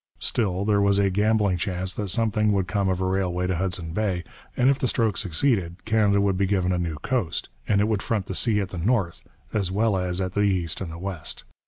Still, there was a gambling chance that something would come of a railway to Hudson Bay, and if the stroke succeeded, Canada would be given a new coast, and would front the sea at the north as well as at the east and the west.